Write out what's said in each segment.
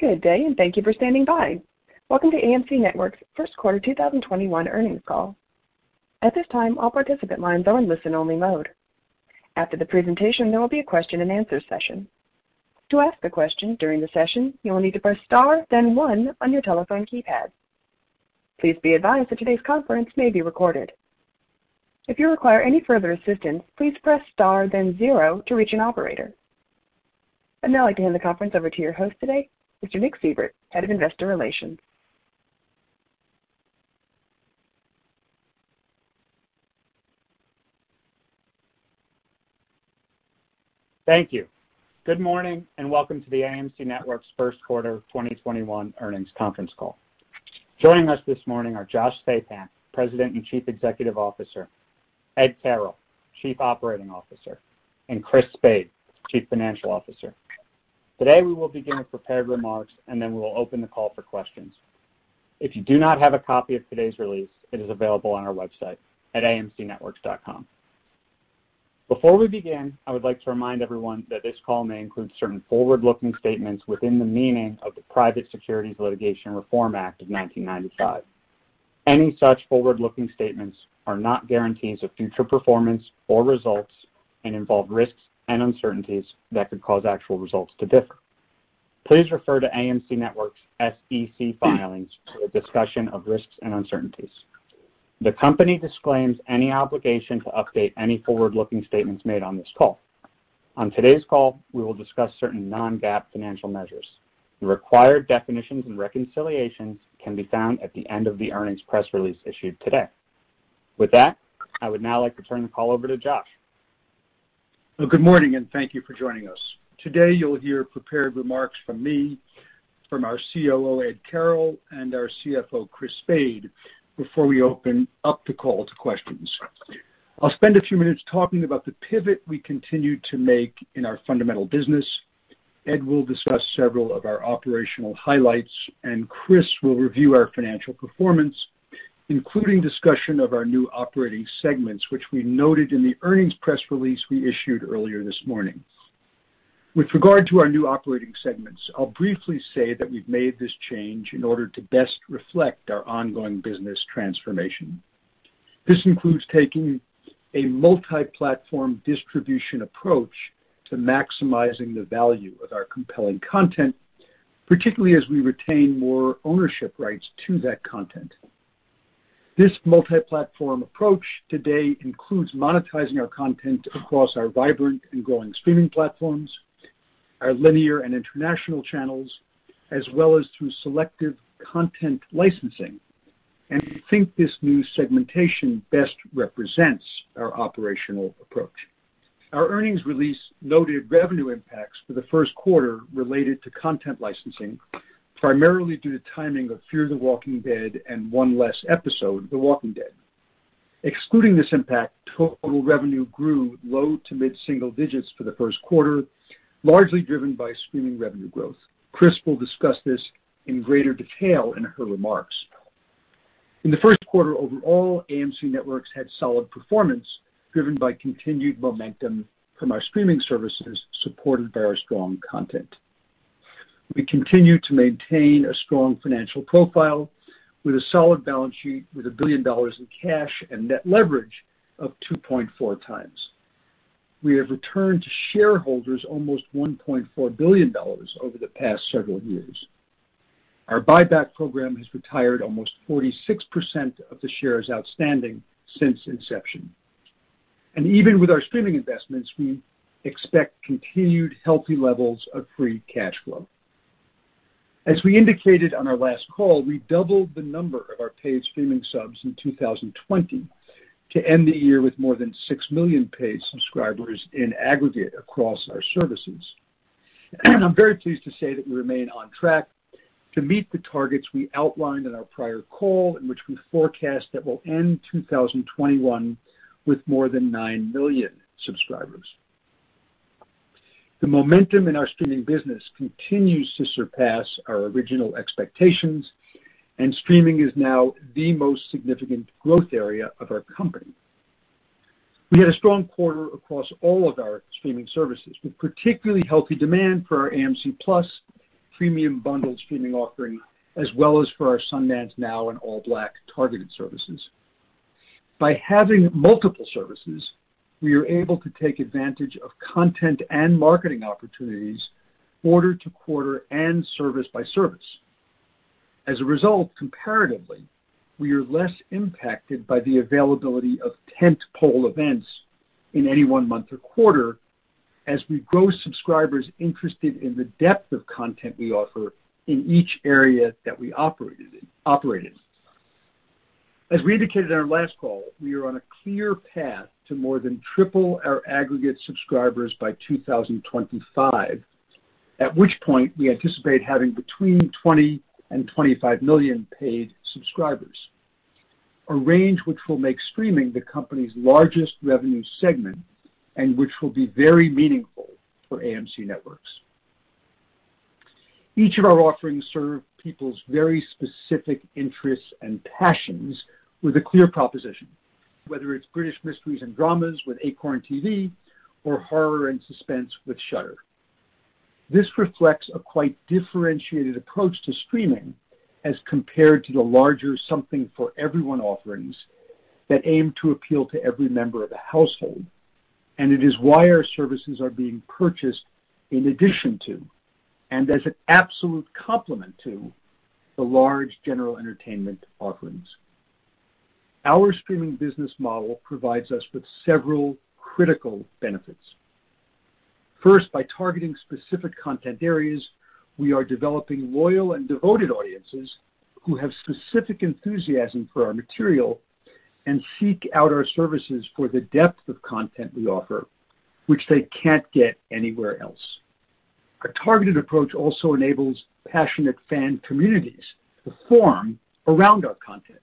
Good day, and thank you for standing by. Welcome to AMC Networks' first quarter 2021 earnings call. I'd now like to hand the conference over to your host today, Mr. Nicholas Seibert, Head of Investor Relations. Thank you. Good morning, and welcome to the AMC Networks first quarter 2021 earnings conference call. Joining us this morning are Josh Sapan, President and Chief Executive Officer, Ed Carroll, Chief Operating Officer, and Chris Spade, Chief Financial Officer. Today we will begin with prepared remarks, and then we will open the call for questions. If you do not have a copy of today's release, it is available on our website at amcnetworks.com. Before we begin, I would like to remind everyone that this call may include certain forward-looking statements within the meaning of the Private Securities Litigation Reform Act of 1995. Any such forward-looking statements are not guarantees of future performance or results and involve risks and uncertainties that could cause actual results to differ. Please refer to AMC Networks' SEC filings for a discussion of risks and uncertainties. The company disclaims any obligation to update any forward-looking statements made on this call. On today's call, we will discuss certain non-GAAP financial measures. The required definitions and reconciliations can be found at the end of the earnings press release issued today. With that, I would now like to turn the call over to Josh. Well, good morning, and thank you for joining us. Today, you'll hear prepared remarks from me, from our COO, Ed Carroll, and our CFO, Chris Spade, before we open up the call to questions. I'll spend a few minutes talking about the pivot we continue to make in our fundamental business. Ed will discuss several of our operational highlights, and Chris will review our financial performance, including discussion of our new operating segments, which we noted in the earnings press release we issued earlier this morning. With regard to our new operating segments, I'll briefly say that we've made this change in order to best reflect our ongoing business transformation. This includes taking a multi-platform distribution approach to maximizing the value of our compelling content, particularly as we retain more ownership rights to that content. This multi-platform approach today includes monetizing our content across our vibrant and growing streaming platforms, our linear and international channels, as well as through selective content licensing. We think this new segmentation best represents our operational approach. Our earnings release noted revenue impacts for the first quarter related to content licensing, primarily due to timing of Fear the Walking Dead and one less episode of The Walking Dead. Excluding this impact, total revenue grew low to mid-single digits for the first quarter, largely driven by streaming revenue growth. Chris will discuss this in greater detail in her remarks. In the first quarter overall, AMC Networks had solid performance driven by continued momentum from our streaming services supported by our strong content. We continue to maintain a strong financial profile with a solid balance sheet with $1 billion in cash and net leverage of 2.4x. We have returned to shareholders almost $1.4 billion over the past several years. Our buyback program has retired almost 46% of the shares outstanding since inception. Even with our streaming investments, we expect continued healthy levels of free cash flow. As we indicated on our last call, we doubled the number of our paid streaming subs in 2020 to end the year with more than 6 million paid subscribers in aggregate across our services. I'm very pleased to say that we remain on track to meet the targets we outlined in our prior call in which we forecast that we'll end 2021 with more than 9 million subscribers. The momentum in our streaming business continues to surpass our original expectations, and streaming is now the most significant growth area of our company. We had a strong quarter across all of our streaming services, with particularly healthy demand for our AMC+ premium bundled streaming offering, as well as for our Sundance Now and ALLBLK targeted services. By having multiple services, we are able to take advantage of content and marketing opportunities quarter to quarter and service by service. As a result, comparatively, we are less impacted by the availability of tentpole events in any one month or quarter as we grow subscribers interested in the depth of content we offer in each area that we operate in. As we indicated on our last call, we are on a clear path to more than triple our aggregate subscribers by 2025. At which point, we anticipate having between 20 and 25 million paid subscribers, a range which will make streaming the company's largest revenue segment and which will be very meaningful for AMC Networks. Each of our offerings serve people's very specific interests and passions with a clear proposition. Whether it's British mysteries and dramas with Acorn TV or horror and suspense with Shudder. This reflects a quite differentiated approach to streaming as compared to the larger something-for-everyone offerings that aim to appeal to every member of a household, It is why our services are being purchased in addition to, and as an absolute complement to, the large general entertainment offerings. Our streaming business model provides us with several critical benefits. First, by targeting specific content areas, we are developing loyal and devoted audiences who have specific enthusiasm for our material and seek out our services for the depth of content we offer, which they can't get anywhere else. A targeted approach also enables passionate fan communities to form around our content.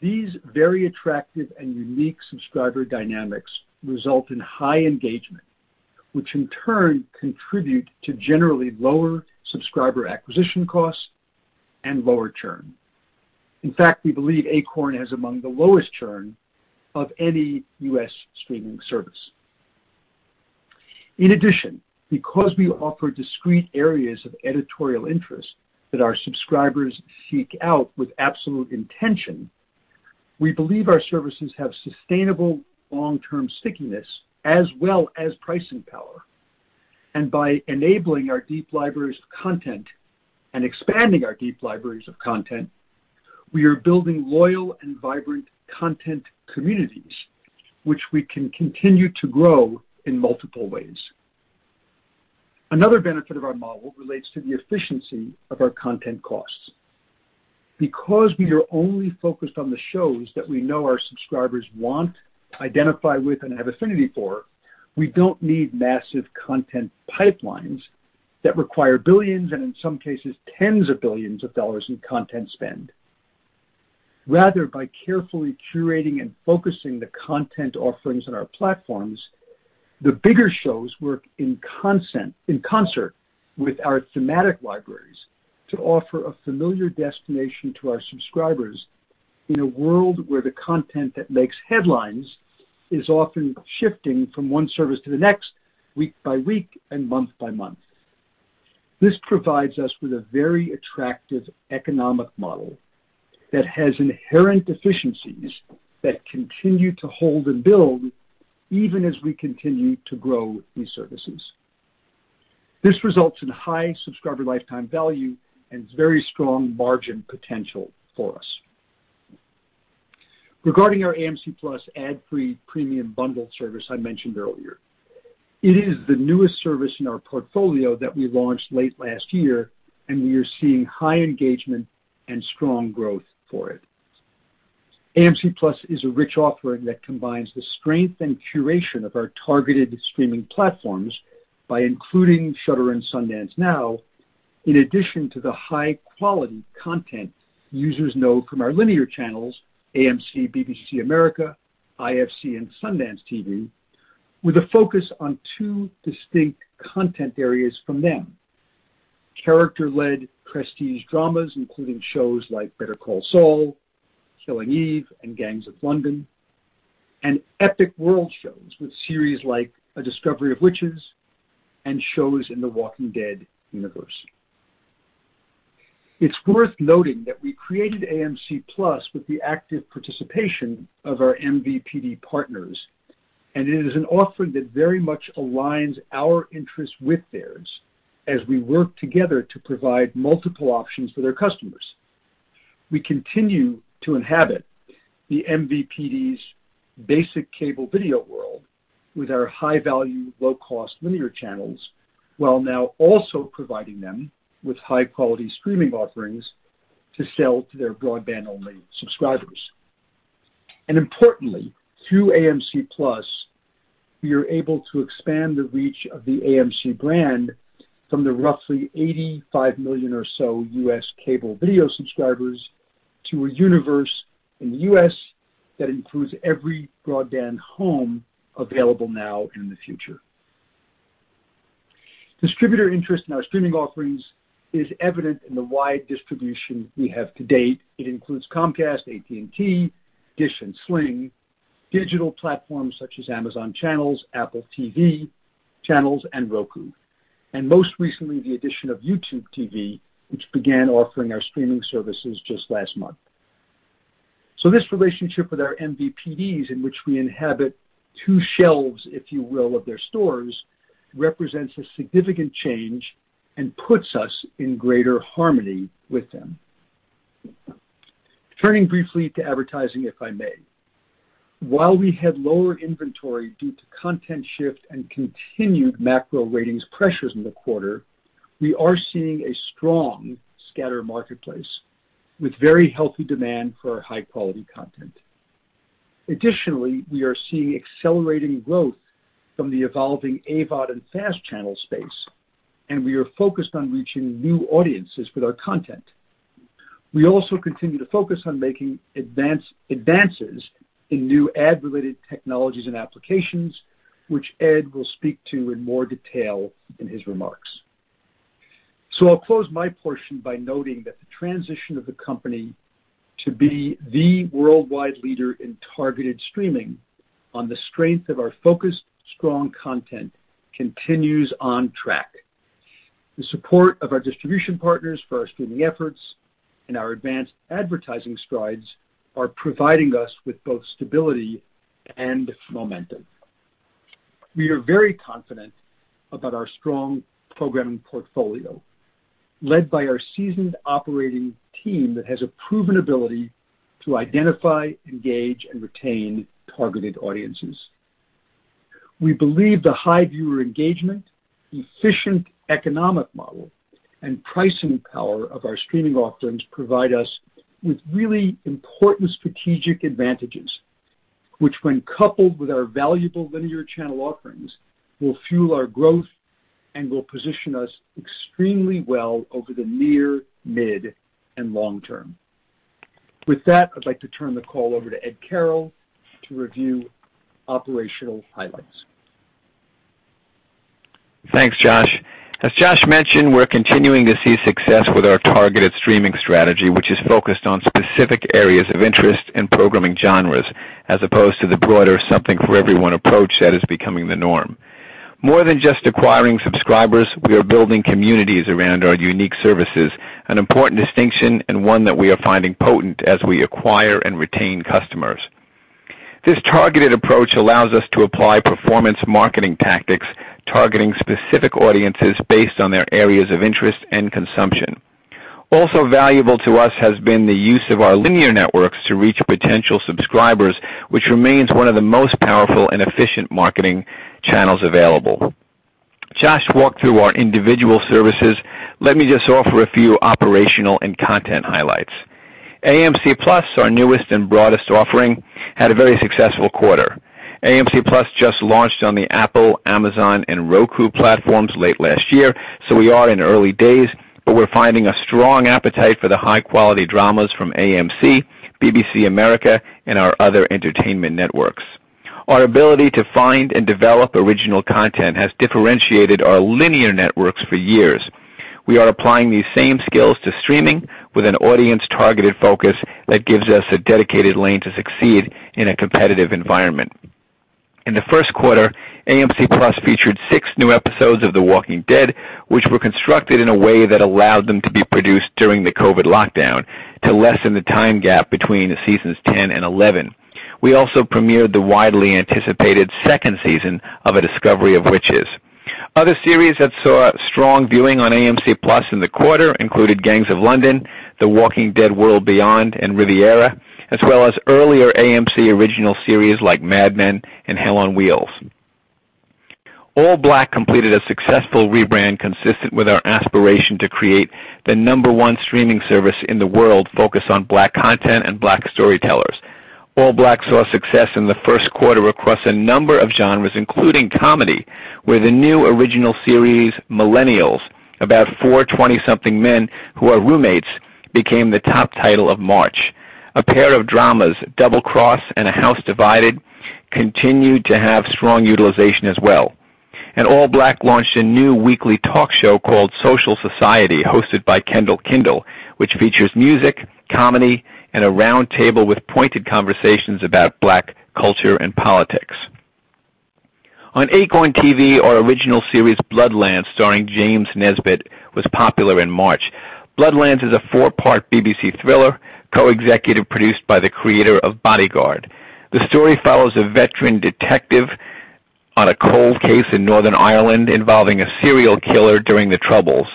These very attractive and unique subscriber dynamics result in high engagement, which in turn contribute to generally lower subscriber acquisition costs and lower churn. In fact, we believe Acorn has among the lowest churn of any U.S. streaming service. In addition, because we offer discrete areas of editorial interest that our subscribers seek out with absolute intention, we believe our services have sustainable long-term stickiness as well as pricing power. By enabling our deep libraries of content and expanding our deep libraries of content, we are building loyal and vibrant content communities, which we can continue to grow in multiple ways. Another benefit of our model relates to the efficiency of our content costs. Because we are only focused on the shows that we know our subscribers want, identify with, and have affinity for, we don't need massive content pipelines that require billions, and in some cases, tens of billions of dollars in content spend. Rather, by carefully curating and focusing the content offerings on our platforms, the bigger shows work in concert with our thematic libraries to offer a familiar destination to our subscribers in a world where the content that makes headlines is often shifting from one service to the next, week by week and month by month. This provides us with a very attractive economic model that has inherent efficiencies that continue to hold and build even as we continue to grow these services. This results in high subscriber lifetime value and very strong margin potential for us. Regarding our AMC+ ad-free premium bundle service I mentioned earlier, it is the newest service in our portfolio that we launched late last year. We are seeing high engagement and strong growth for it. AMC+ is a rich offering that combines the strength and curation of our targeted streaming platforms by including Shudder and Sundance Now, in addition to the high-quality content users know from our linear channels, AMC, BBC America, IFC, and SundanceTV, with a focus on two distinct content areas from them. Character-led prestige dramas, including shows like "Better Call Saul," "Killing Eve," and "Gangs of London," and epic world shows with series like "A Discovery of Witches" and shows in The Walking Dead universe. It's worth noting that we created AMC+ with the active participation of our MVPD partners, and it is an offering that very much aligns our interests with theirs as we work together to provide multiple options for their customers. We continue to inhabit the MVPD's basic cable video world with our high-value, low-cost linear channels, while now also providing them with high-quality streaming offerings to sell to their broadband-only subscribers. Importantly, through AMC+, we are able to expand the reach of the AMC brand from the roughly 85 million or so U.S. cable video subscribers to a universe in the U.S. that includes every broadband home available now and in the future. Distributor interest in our streaming offerings is evident in the wide distribution we have to date. It includes Comcast, AT&T, Dish and Sling, digital platforms such as Amazon Channels, Apple TV channels, and Roku. Most recently, the addition of YouTube TV, which began offering our streaming services just last month. This relationship with our MVPDs, in which we inhabit two shelves, if you will, of their stores, represents a significant change and puts us in greater harmony with them. Turning briefly to advertising, if I may. While we had lower inventory due to content shift and continued macro ratings pressures in the quarter, we are seeing a strong scatter marketplace with very healthy demand for our high-quality content. We are seeing accelerating growth from the evolving AVOD and FAST channel space, and we are focused on reaching new audiences with our content. We also continue to focus on making advances in new ad-related technologies and applications, which Ed will speak to in more detail in his remarks. I'll close my portion by noting that the transition of the company to be the worldwide leader in targeted streaming on the strength of our focused, strong content continues on track. The support of our distribution partners for our streaming efforts and our advanced advertising strides are providing us with both stability and momentum. We are very confident about our strong programming portfolio, led by our seasoned operating team that has a proven ability to identify, engage, and retain targeted audiences. We believe the high viewer engagement, efficient economic model, and pricing power of our streaming offerings provide us with really important strategic advantages, which when coupled with our valuable linear channel offerings, will fuel our growth and will position us extremely well over the near, mid, and long term. With that, I'd like to turn the call over to Ed Carroll to review operational highlights. Thanks, Josh. As Josh mentioned, we're continuing to see success with our targeted streaming strategy, which is focused on specific areas of interest in programming genres as opposed to the broader something for everyone approach that is becoming the norm. More than just acquiring subscribers, we are building communities around our unique services, an important distinction and one that we are finding potent as we acquire and retain customers. This targeted approach allows us to apply performance marketing tactics targeting specific audiences based on their areas of interest and consumption. Also valuable to us has been the use of our linear networks to reach potential subscribers, which remains one of the most powerful and efficient marketing channels available. Josh walked through our individual services. Let me just offer a few operational and content highlights. AMC+, our newest and broadest offering, had a very successful quarter. AMC+ just launched on the Apple, Amazon, and Roku platforms late last year, so we are in early days, but we're finding a strong appetite for the high-quality dramas from AMC, BBC America, and our other entertainment networks. Our ability to find and develop original content has differentiated our linear networks for years. We are applying these same skills to streaming with an audience-targeted focus that gives us a dedicated lane to succeed in a competitive environment. In the first quarter, AMC+ featured six new episodes of "The Walking Dead," which were constructed in a way that allowed them to be produced during the COVID lockdown to lessen the time gap between seasons 10 and 11. We also premiered the widely anticipated second season of "A Discovery of Witches." Other series that saw strong viewing on AMC+ in the quarter included "Gangs of London," "The Walking Dead: World Beyond," and "Riviera," as well as earlier AMC original series like "Mad Men" and "Hell on Wheels." ALLBLK completed a successful rebrand consistent with our aspiration to create the number one streaming service in the world focused on Black content and Black storytellers. ALLBLK saw success in the first quarter across a number of genres, including comedy, where the new original series "Millennials," about four 20-something men who are roommates, became the top title of March. A pair of dramas, "Double Cross" and "A House Divided," continued to have strong utilization as well. ALLBLK launched a new weekly talk show called "Social Society," hosted by Kendall Kyndall, which features music, comedy, and a roundtable with pointed conversations about Black culture and politics. On Acorn TV, our original series, "Bloodlands," starring James Nesbitt, was popular in March. Bloodlands is a four-part BBC thriller, co-executive produced by the creator of "Bodyguard." The story follows a veteran detective on a cold case in Northern Ireland involving a serial killer during the Troubles.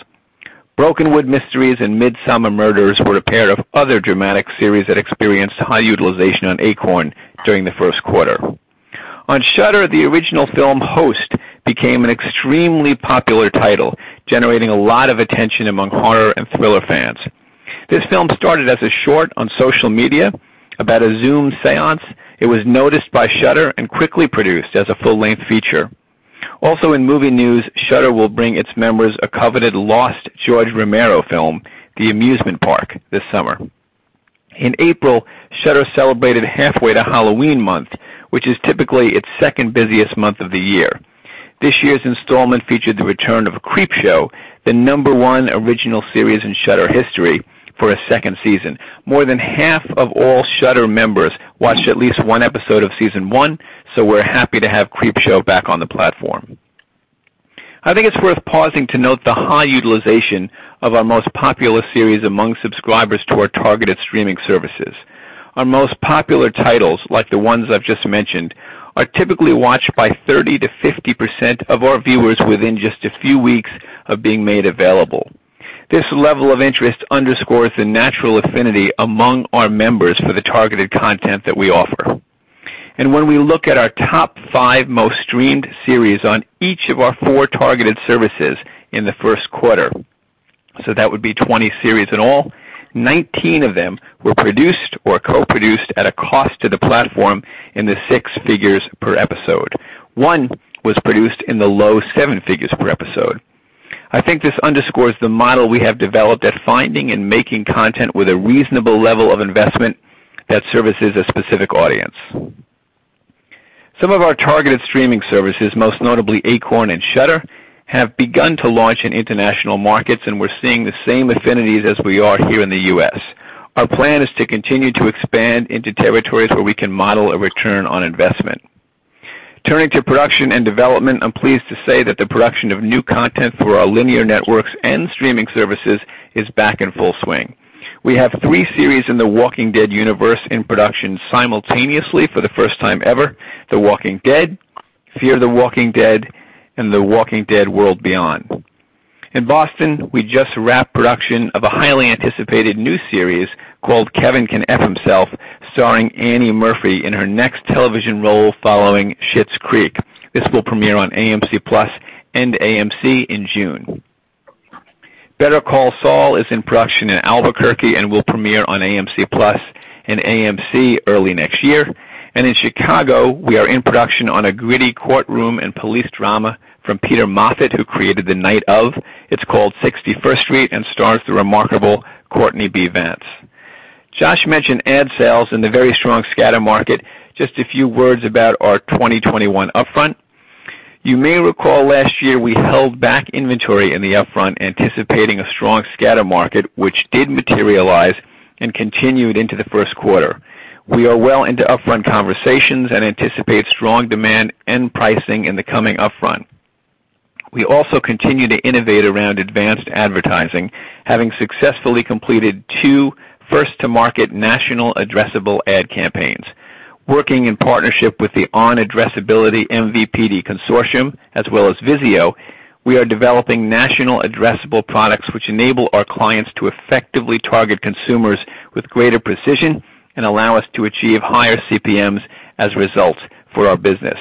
"Brokenwood Mysteries" and "Midsomer Murders" were a pair of other dramatic series that experienced high utilization on Acorn during the first quarter. On Shudder, the original film, "Host," became an extremely popular title, generating a lot of attention among horror and thriller fans. This film started as a short on social media about a Zoom séance. It was noticed by Shudder and quickly produced as a full-length feature. Also in movie news, Shudder will bring its members a coveted lost George A. Romero film, "The Amusement Park," this summer. In April, Shudder celebrated Halfway to Halloween month, which is typically its second busiest month of the year. This year's installment featured the return of "Creepshow," the number one original series in Shudder history, for a second season. More than half of all Shudder members watched at least one episode of season one, so we're happy to have "Creepshow" back on the platform. I think it's worth pausing to note the high utilization of our most popular series among subscribers to our targeted streaming services. Our most popular titles, like the ones I've just mentioned, are typically watched by 30%-50% of our viewers within just a few weeks of being made available. This level of interest underscores the natural affinity among our members for the targeted content that we offer. When we look at our top five most streamed series on each of our four targeted services in the first quarter, so that would be 20 series in all, 19 of them were produced or co-produced at a cost to the platform in the six figures per episode. One was produced in the low seven figures per episode. I think this underscores the model we have developed at finding and making content with a reasonable level of investment that services a specific audience. Some of our targeted streaming services, most notably Acorn and Shudder, have begun to launch in international markets, and we're seeing the same affinities as we are here in the U.S. Our plan is to continue to expand into territories where we can model a return on investment. Turning to production and development, I'm pleased to say that the production of new content for our linear networks and streaming services is back in full swing. We have three series in The Walking Dead universe in production simultaneously for the first time ever: The Walking Dead, Fear the Walking Dead, and The Walking Dead: World Beyond. In Boston, we just wrapped production of a highly anticipated new series called Kevin Can F Himself, starring Annie Murphy in her next television role following Schitt's Creek. This will premiere on AMC+ and AMC in June. Better Call Saul is in production in Albuquerque and will premiere on AMC+ and AMC early next year. In Chicago, we are in production on a gritty courtroom and police drama from Peter Moffat, who created The Night Of. It's called 61st Street and stars the remarkable Courtney B. Vance. Josh mentioned ad sales in the very strong scatter market. Just a few words about our 2021 upfront. You may recall last year we held back inventory in the upfront, anticipating a strong scatter market, which did materialize and continued into the first quarter. We are well into upfront conversations and anticipate strong demand and pricing in the coming upfront. We also continue to innovate around advanced advertising, having successfully completed two first-to-market national addressable ad campaigns. Working in partnership with the On Addressability MVPD Consortium as well as Vizio, we are developing national addressable products which enable our clients to effectively target consumers with greater precision and allow us to achieve higher CPMs as results for our business.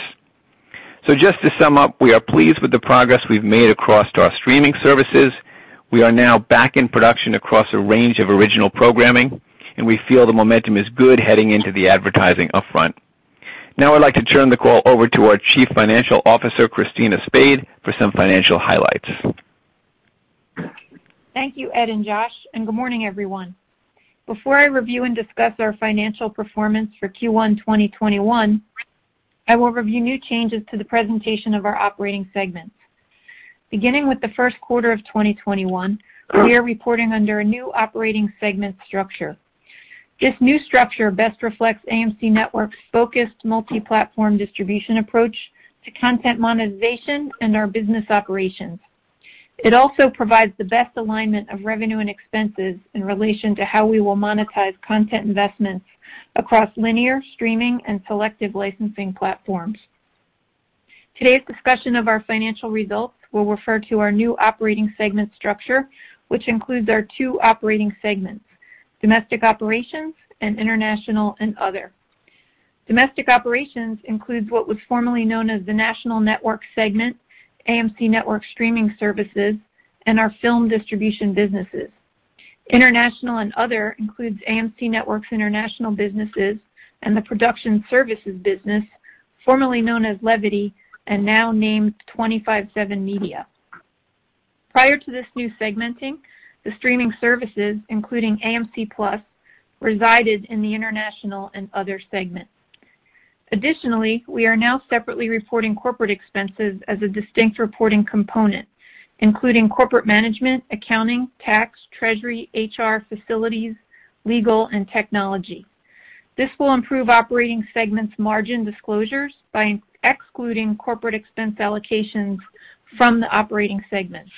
Just to sum up, we are pleased with the progress we've made across our streaming services. We are now back in production across a range of original programming, and we feel the momentum is good heading into the advertising upfront. Now I'd like to turn the call over to our Chief Financial Officer, Christina Spade, for some financial highlights. Thank you, Ed and Josh. Good morning, everyone. Before I review and discuss our financial performance for Q1 2021, I will review new changes to the presentation of our operating segments. Beginning with the first quarter of 2021, we are reporting under a new operating segment structure. This new structure best reflects AMC Networks' focused multi-platform distribution approach to content monetization and our business operations. It also provides the best alignment of revenue and expenses in relation to how we will monetize content investments across linear, streaming, and selective licensing platforms. Today's discussion of our financial results will refer to our new operating segment structure, which includes our two operating segments, Domestic Operations and International and Other. Domestic Operations includes what was formerly known as the National Networks segment, AMC Networks streaming services, and our film distribution businesses. International and Other includes AMC Networks' international businesses and the production services business, formerly known as Levity and now named 25/7 Media. Prior to this new segmenting, the streaming services, including AMC+, resided in the International and Other segment. We are now separately reporting corporate expenses as a distinct reporting component, including corporate management, accounting, tax, treasury, HR, facilities, legal, and technology. This will improve operating segments margin disclosures by excluding corporate expense allocations from the operating segments.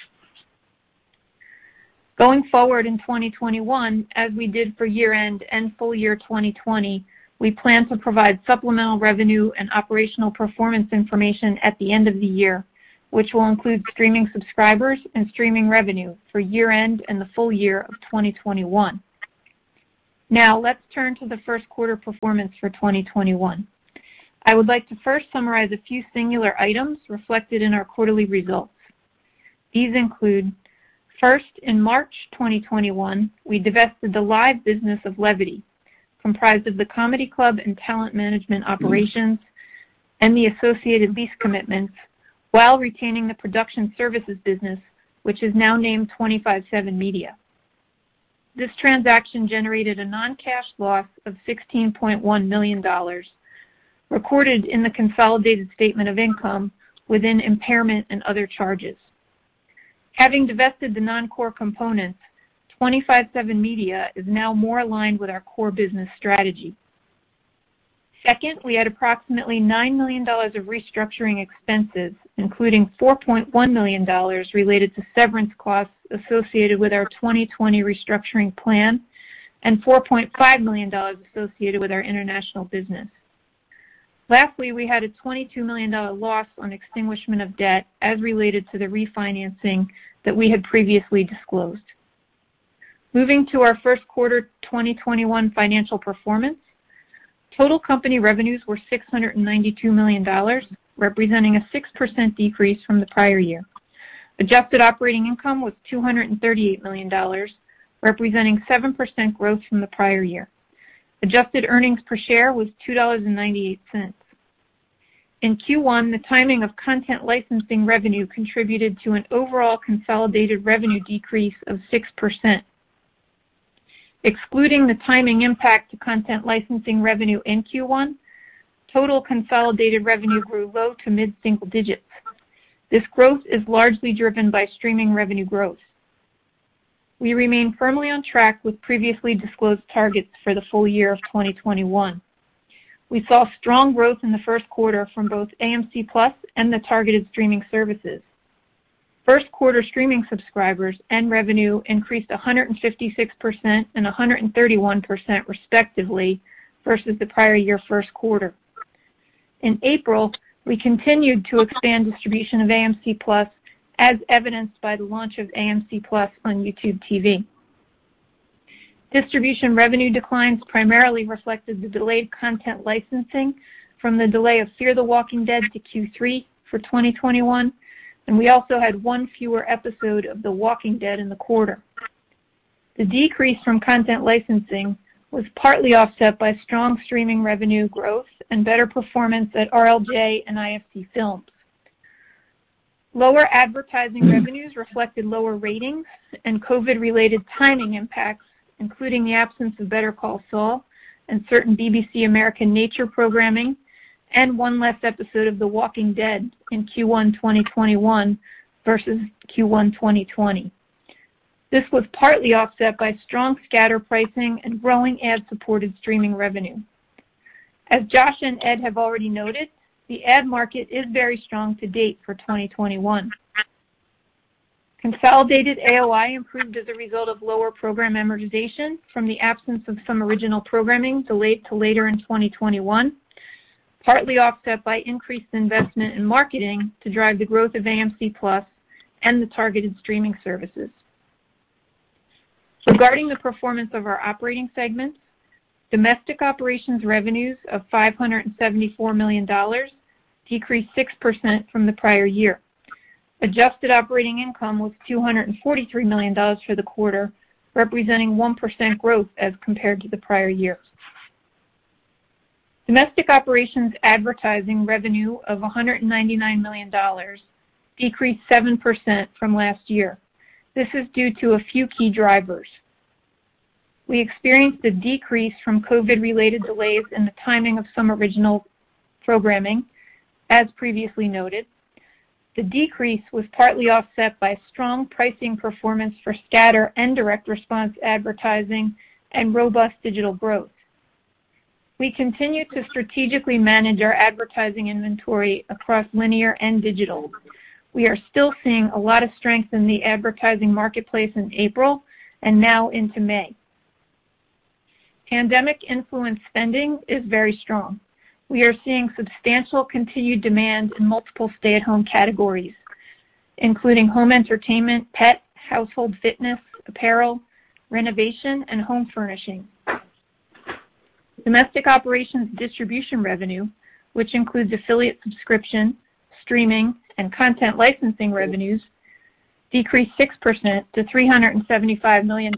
Going forward in 2021, as we did for year-end and full year 2020, we plan to provide supplemental revenue and operational performance information at the end of the year, which will include streaming subscribers and streaming revenue for year-end and the full year of 2021. Let's turn to the first quarter performance for 2021. I would like to first summarize a few singular items reflected in our quarterly results. These include, first, in March 2021, we divested the live business of Levity, comprised of the comedy club and talent management operations and the associated lease commitments, while retaining the production services business, which is now named25/7 Media. This transaction generated a non-cash loss of $16.1 million, recorded in the consolidated statement of income within impairment and other charges. Having divested the non-core components, 25/7 Media is now more aligned with our core business strategy. Second, we had approximately $9 million of restructuring expenses, including $4.1 million related to severance costs associated with our 2020 restructuring plan and $4.5 million associated with our international business. Lastly, we had a $22 million loss on extinguishment of debt as related to the refinancing that we had previously disclosed. Moving to our first quarter 2021 financial performance, total company revenues were $692 million, representing a 6% decrease from the prior year. Adjusted operating income was $238 million, representing 7% growth from the prior year. Adjusted earnings per share was $2.98. In Q1, the timing of content licensing revenue contributed to an overall consolidated revenue decrease of 6%. Excluding the timing impact to content licensing revenue in Q1, total consolidated revenue grew low to mid-single digits. This growth is largely driven by streaming revenue growth. We remain firmly on track with previously disclosed targets for the full year of 2021. We saw strong growth in the first quarter from both AMC+ and the targeted streaming services. First quarter streaming subscribers and revenue increased 156% and 131%, respectively, versus the prior year first quarter. In April, we continued to expand distribution of AMC+, as evidenced by the launch of AMC+ on YouTube TV. Distribution revenue declines primarily reflected the delayed content licensing from the delay of "Fear the Walking Dead" to Q3 for 2021. We also had one fewer episode of "The Walking Dead" in the quarter. The decrease from content licensing was partly offset by strong streaming revenue growth and better performance at RLJ and IFC Films. Lower advertising revenues reflected lower ratings and COVID-related timing impacts, including the absence of "Better Call Saul" and certain BBC America nature programming. One less episode of "The Walking Dead" in Q1 2021 versus Q1 2020. This was partly offset by strong scatter pricing and growing ad-supported streaming revenue. As Josh and Ed have already noted, the ad market is very strong to date for 2021. Consolidated AOI improved as a result of lower program amortization from the absence of some original programming delayed to later in 2021, partly offset by increased investment in marketing to drive the growth of AMC+ and the targeted streaming services. Regarding the performance of our operating segments, Domestic Operations revenues of $574 million decreased 6% from the prior year. Adjusted operating income was $243 million for the quarter, representing 1% growth as compared to the prior year. Domestic Operations advertising revenue of $199 million decreased 7% from last year. This is due to a few key drivers. We experienced a decrease from COVID-related delays in the timing of some original programming, as previously noted. The decrease was partly offset by strong pricing performance for scatter and direct response advertising and robust digital growth. We continue to strategically manage our advertising inventory across linear and digital. We are still seeing a lot of strength in the advertising marketplace in April and now into May. Pandemic-influenced spending is very strong. We are seeing substantial continued demand in multiple stay-at-home categories, including home entertainment, pet, household fitness, apparel, renovation, and home furnishing. Domestic Operations distribution revenue, which includes affiliate subscription, streaming, and content licensing revenues, decreased 6% to $375 million.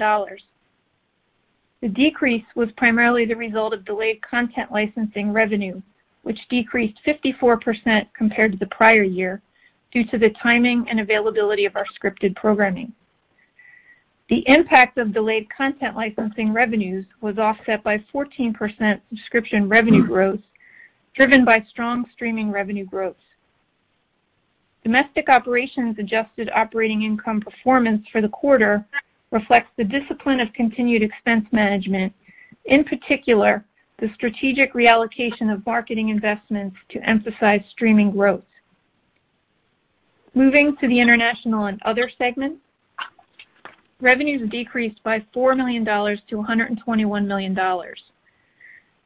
The decrease was primarily the result of delayed content licensing revenue, which decreased 54% compared to the prior year due to the timing and availability of our scripted programming. The impact of delayed content licensing revenues was offset by 14% subscription revenue growth, driven by strong streaming revenue growth. Domestic Operations adjusted operating income performance for the quarter reflects the discipline of continued expense management, in particular, the strategic reallocation of marketing investments to emphasize streaming growth. Moving to the International and Other segments, revenues decreased by $4 million-$121 million.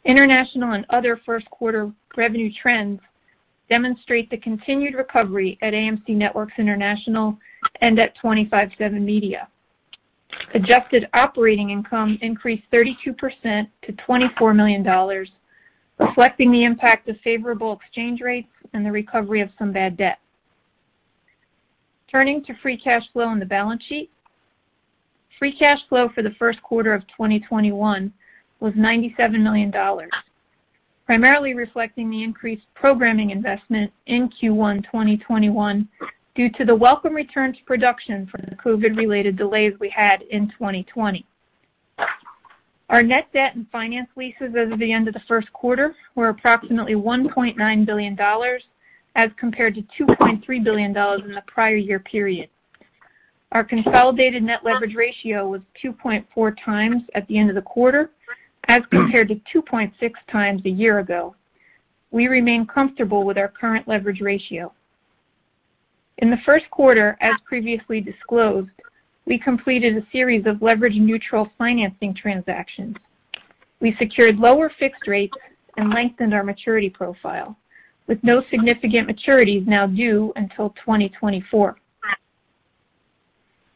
International and Other first-quarter revenue trends demonstrate the continued recovery at AMC Networks International and at 25/7 Media. Adjusted operating income increased 32% to $24 million, reflecting the impact of favorable exchange rates and the recovery of some bad debt. Turning to free cash flow on the balance sheet, free cash flow for the first quarter of 2021 was $97 million, primarily reflecting the increased programming investment in Q1 2021 due to the welcome return to production from the COVID-related delays we had in 2020. Our net debt and finance leases as of the end of the first quarter were approximately $1.9 billion as compared to $2.3 billion in the prior year period. Our consolidated net leverage ratio was 2.4x at the end of the quarter as compared to 2.6x a year ago. We remain comfortable with our current leverage ratio. In the first quarter, as previously disclosed, we completed a series of leverage-neutral financing transactions. We secured lower fixed rates and lengthened our maturity profile, with no significant maturities now due until 2024.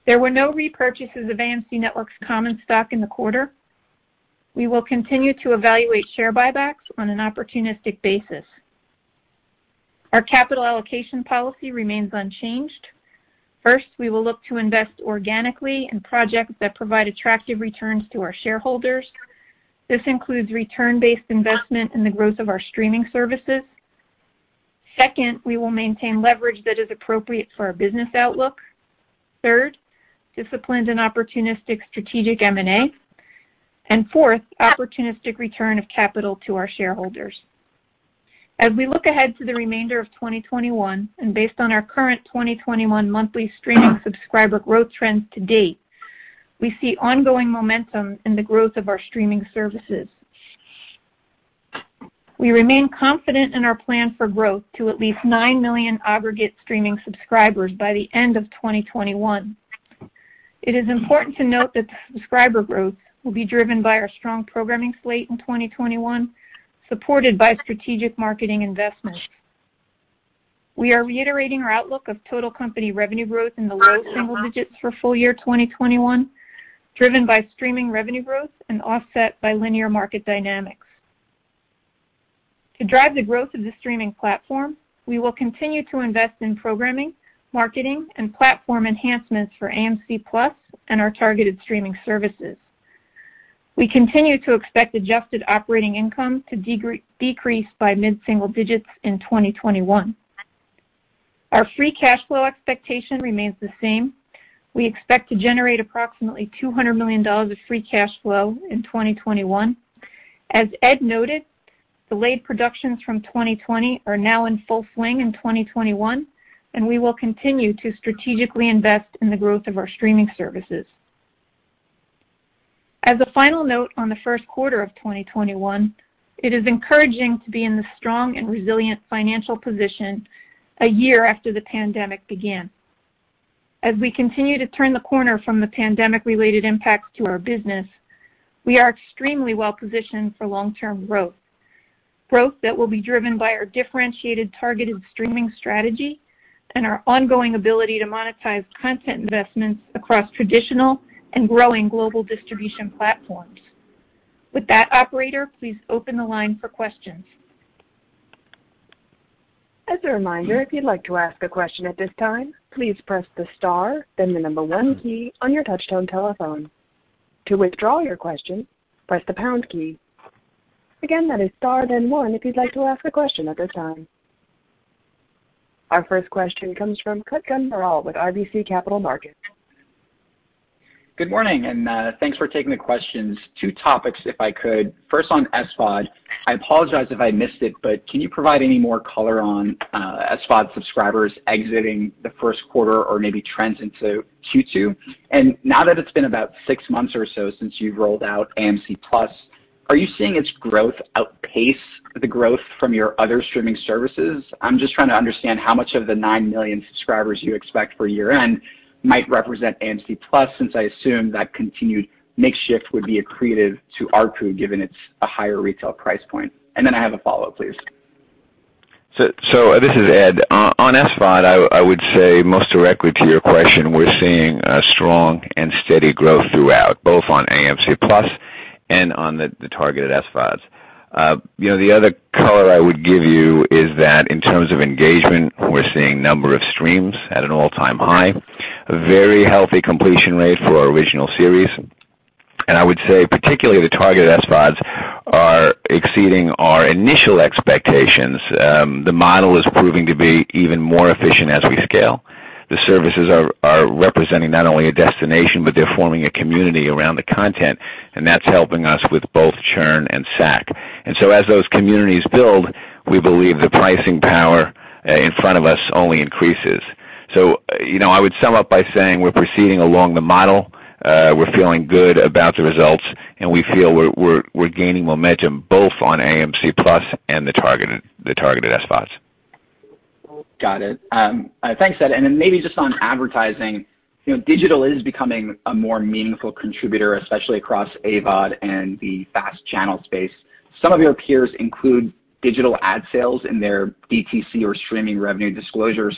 There were no repurchases of AMC Networks' common stock in the quarter. We will continue to evaluate share buybacks on an opportunistic basis. Our capital allocation policy remains unchanged. First, we will look to invest organically in projects that provide attractive returns to our shareholders. This includes return-based investment in the growth of our streaming services. Second, we will maintain leverage that is appropriate for our business outlook. Third, disciplined and opportunistic strategic M&A. Fourth, opportunistic return of capital to our shareholders. As we look ahead to the remainder of 2021, and based on our current 2021 monthly streaming subscriber growth trends to date, we see ongoing momentum in the growth of our streaming services. We remain confident in our plan for growth to at least 9 million aggregate streaming subscribers by the end of 2021. It is important to note that subscriber growth will be driven by our strong programming slate in 2021, supported by strategic marketing investments. We are reiterating our outlook of total company revenue growth in the low single digits for full year 2021, driven by streaming revenue growth and offset by linear market dynamics. To drive the growth of the streaming platform, we will continue to invest in programming, marketing, and platform enhancements for AMC+ and our targeted streaming services. We continue to expect adjusted operating income to decrease by mid-single digits in 2021. Our free cash flow expectation remains the same. We expect to generate approximately $200 million of free cash flow in 2021. As Ed noted, delayed productions from 2020 are now in full swing in 2021, and we will continue to strategically invest in the growth of our streaming services. As a final note on the first quarter of 2021, it is encouraging to be in this strong and resilient financial position a year after the pandemic began. As we continue to turn the corner from the pandemic-related impacts to our business, we are extremely well-positioned for long-term growth. Growth that will be driven by our differentiated targeted streaming strategy and our ongoing ability to monetize content investments across traditional and growing global distribution platforms. With that, operator, please open the line for questions. Our first question comes from Kutgun Maral with RBC Capital Markets. Good morning. Thanks for taking the questions. Two topics, if I could. First on SVOD. I apologize if I missed it, can you provide any more color on SVOD subscribers exiting the first quarter or maybe trends into Q2? Now that it's been about six months or so since you've rolled out AMC+, are you seeing its growth outpace the growth from your other streaming services? I'm just trying to understand how much of the nine million subscribers you expect for year-end might represent AMC+, since I assume that continued mix shift would be accretive to ARPU, given it's a higher retail price point. I have a follow-up, please. This is Ed. On SVOD, I would say most directly to your question, we're seeing strong and steady growth throughout, both on AMC+ and on the targeted SVODs. The other color I would give you is that in terms of engagement, we're seeing number of streams at an all-time high. A very healthy completion rate for our original series. I would say particularly the targeted SVODs are exceeding our initial expectations. The model is proving to be even more efficient as we scale. The services are representing not only a destination, but they're forming a community around the content, and that's helping us with both churn and SAC. As those communities build, we believe the pricing power in front of us only increases. I would sum up by saying we're proceeding along the model. We're feeling good about the results, and we feel we're gaining momentum both on AMC+ and the targeted SVODs. Got it. Thanks, Ed. Then maybe just on advertising. Digital is becoming a more meaningful contributor, especially across AVOD and the FAST channel space. Some of your peers include digital ad sales in their DTC or streaming revenue disclosure.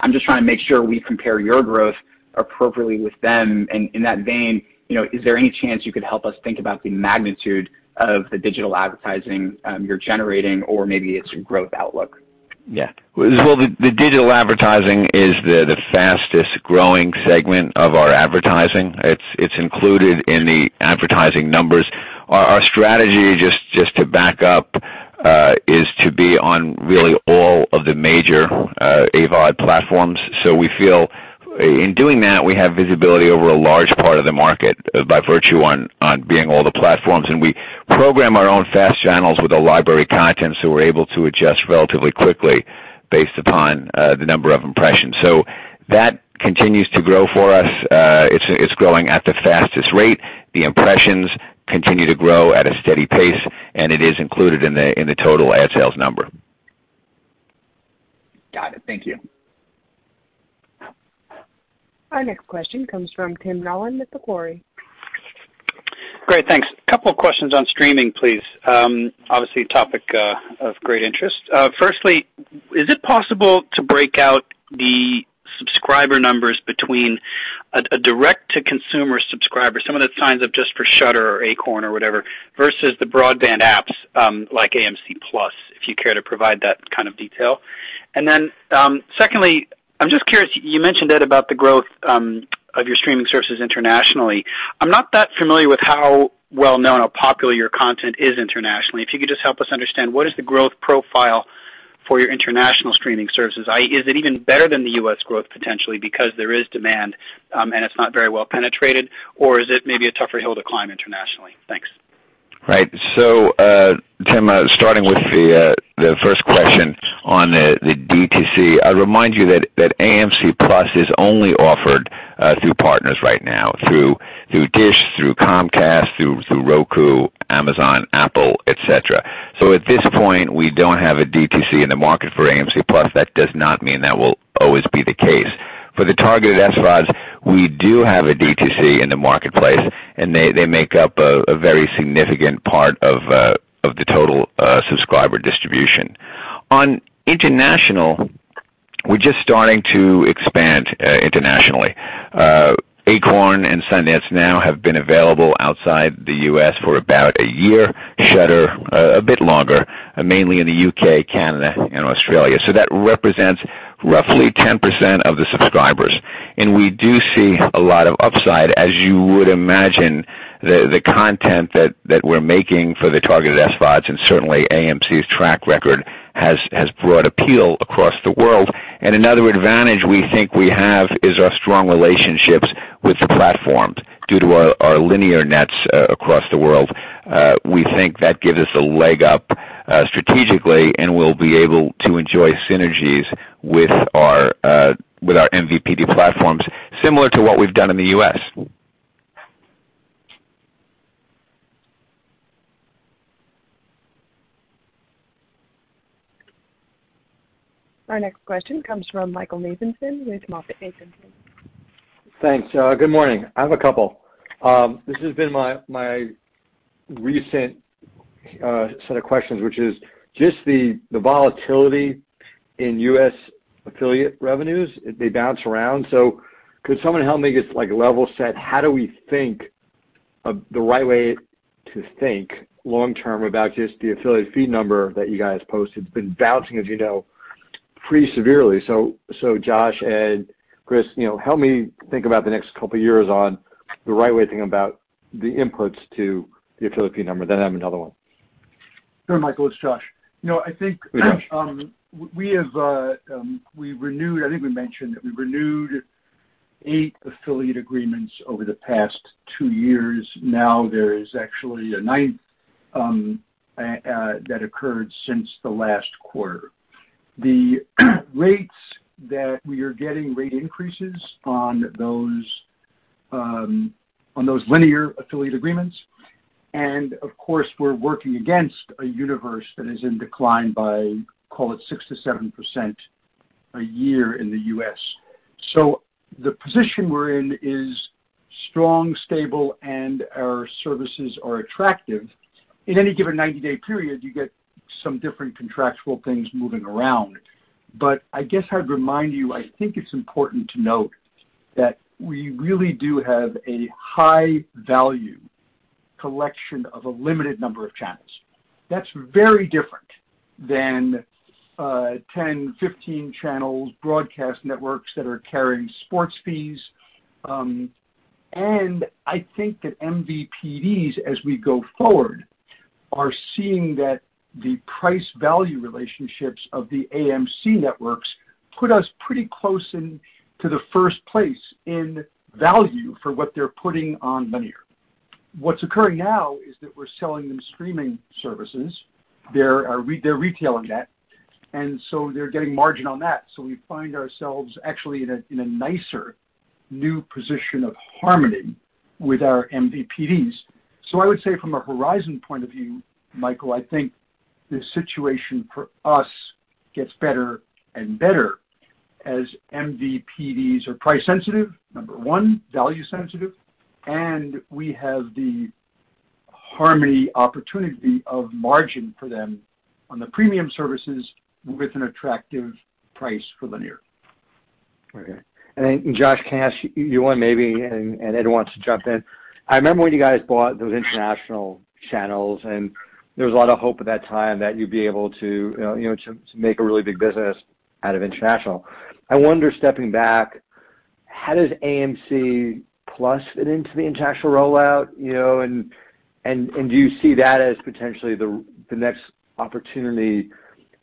I'm just trying to make sure we compare your growth appropriately with them. In that vein, is there any chance you could help us think about the magnitude of the digital advertising you're generating or maybe its growth outlook? Well, the digital advertising is the fastest-growing segment of our advertising. It's included in the advertising numbers. Our strategy, just to back up, is to be on really all of the major AVOD platforms. We feel in doing that, we have visibility over a large part of the market by virtue on being all the platforms, and we program our own FAST channels with the library content, so we're able to adjust relatively quickly based upon the number of impressions. That continues to grow for us. It's growing at the fastest rate. The impressions continue to grow at a steady pace, and it is included in the total ad sales number. Got it. Thank you. Our next question comes from Tim Nollen with Macquarie. Great. Thanks. Couple of questions on streaming, please. Obviously, topic of great interest. Firstly, is it possible to break out the subscriber numbers between a direct-to-consumer subscriber, someone that signs up just for Shudder or Acorn or whatever, versus the broadband apps, like AMC+, if you care to provide that kind of detail? Secondly, I'm just curious, you mentioned, Ed, about the growth of your streaming services internationally. I'm not that familiar with how well-known or popular your content is internationally. If you could just help us understand, what is the growth profile for your international streaming services? Is it even better than the U.S. growth potentially because there is demand and it's not very well penetrated, or is it maybe a tougher hill to climb internationally? Thanks. Right. Tim, starting with the first question on the DTC. I remind you that AMC+ is only offered through partners right now, through Dish, through Comcast, through Roku, Amazon, Apple, et cetera. At this point, we don't have a DTC in the market for AMC+. That does not mean that will always be the case. For the targeted SVODs, we do have a DTC in the marketplace, and they make up a very significant part of the total subscriber distribution. On international, we're just starting to expand internationally. Acorn TV and Sundance Now have been available outside the U.S. for about a year, Shudder a bit longer, mainly in the U.K., Canada, and Australia. That represents roughly 10% of the subscribers. And we do see a lot of upside, as you would imagine. The content that we're making for the targeted SVODs and certainly AMC's track record has broad appeal across the world. Another advantage we think we have is our strong relationships with the platforms due to our linear nets across the world. We think that gives us a leg up strategically, and we'll be able to enjoy synergies with our MVPD platforms, similar to what we've done in the U.S. Our next question comes from Michael Nathanson with MoffettNathanson. Thanks. Good morning. I have a couple. This has been my recent set of questions, which is just the volatility in U.S. affiliate revenues, they bounce around. Could someone help me get like a level set? How do we think of the right way to think long term about just the affiliate fee number that you guys posted? It's been bouncing, as you know, pretty severely. Josh and Chris, help me think about the next couple of years on the right way of thinking about the inputs to the affiliate fee number. I have another one. Sure, Michael. It's Josh. Hey, Josh. we renewed, I think we mentioned that we renewed eight affiliate agreements over the past two years. Now there is actually a ninth that occurred since the last quarter. The rates that we are getting rate increases on those linear affiliate agreements. Of course, we're working against a universe that is in decline by, call it, 6%-7% a year in the U.S. The position we're in is strong, stable, and our services are attractive. In any given 90-day period, you get some different contractual things moving around. I guess I'd remind you, I think it's important to note that we really do have a high-value collection of a limited number of channels. That's very different than 10, 15 channels, broadcast networks that are carrying sports fees. I think that MVPDs, as we go forward, are seeing that the price value relationships of AMC Networks put us pretty close to the first place in value for what they're putting on linear. What's occurring now is that we're selling them streaming services. They're retailing that, and so they're getting margin on that. We find ourselves actually in a nicer, new position of harmony with our MVPDs. I would say from a horizon point of view, Michael, I think the situation for us gets better and better as MVPDs are price sensitive, number one, value sensitive, and we have the harmony opportunity of margin for them on the premium services with an attractive price for linear. Okay. Josh, can I ask you one maybe, and Ed wants to jump in. I remember when you guys bought those international channels, and there was a lot of hope at that time that you'd be able to make a really big business out of international. I wonder, stepping back, how does AMC+ fit into the international rollout? Do you see that as potentially the next opportunity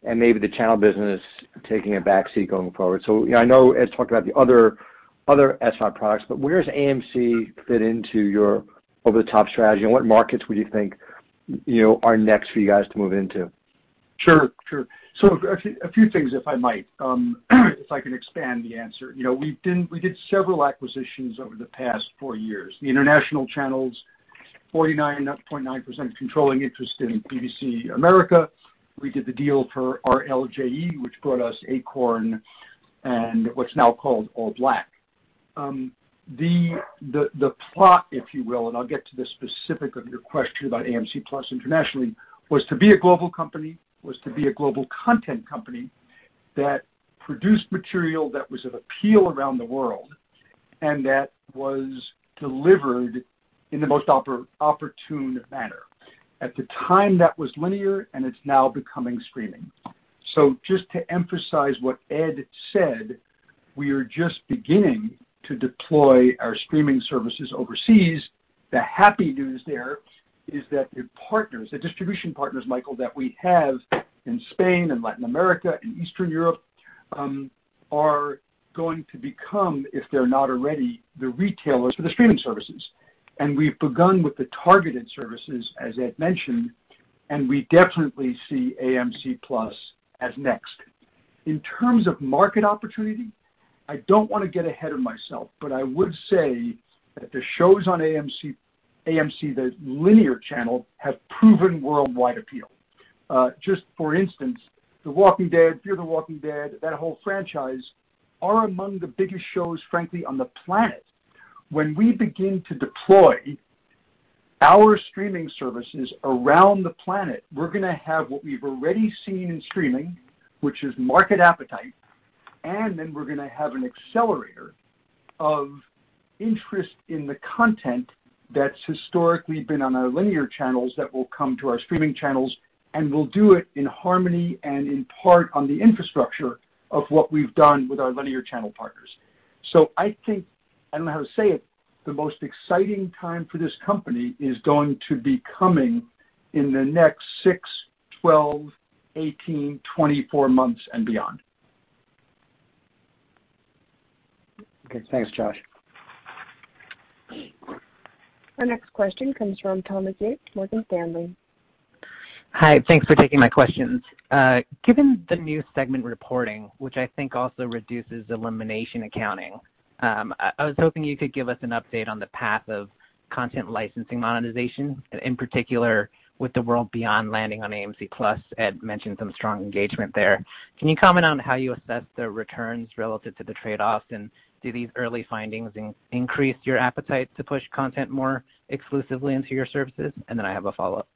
and maybe the channel business taking a backseat going forward? I know Ed talked about the other SVOD products, but where does AMC fit into your over-the-top strategy, and what markets would you think are next for you guys to move into? Sure. A few things, if I might. If I can expand the answer. We did several acquisitions over the past four years. The international channels, 49.9% controlling interest in BBC America. We did the deal for RLJE, which brought us Acorn and what's now called ALLBLK. The plot, if you will, and I'll get to the specific of your question about AMC+ internationally, was to be a global company, was to be a global content company that produced material that was of appeal around the world. That was delivered in the most opportune manner. At the time, that was linear, and it's now becoming streaming. Just to emphasize what Ed said, we are just beginning to deploy our streaming services overseas. The happy news there is that the partners, the distribution partners, Michael, that we have in Spain and Latin America and Eastern Europe, are going to become, if they're not already, the retailers for the streaming services. We've begun with the targeted services, as Ed mentioned, and we definitely see AMC+ as next. In terms of market opportunity, I don't want to get ahead of myself, but I would say that the shows on AMC, the linear channel, have proven worldwide appeal. Just for instance, The Walking Dead, Fear the Walking Dead, that whole franchise, are among the biggest shows, frankly, on the planet. When we begin to deploy our streaming services around the planet, we're going to have what we've already seen in streaming, which is market appetite, and then we're going to have an accelerator of interest in the content that's historically been on our linear channels that will come to our streaming channels, and we'll do it in harmony and in part on the infrastructure of what we've done with our linear channel partners. I think, I don't know how to say it, the most exciting time for this company is going to be coming in the next six, 12, 18, 24 months and beyond. Okay. Thanks, Josh. Our next question comes from Thomas Yeh, Morgan Stanley. Hi. Thanks for taking my questions. Given the new segment reporting, which I think also reduces elimination accounting, I was hoping you could give us an update on the path of content licensing monetization, in particular with The World Beyond landing on AMC+. Ed mentioned some strong engagement there. Can you comment on how you assess the returns relative to the trade-offs, and do these early findings increase your appetite to push content more exclusively into your services? Then I have a follow-up.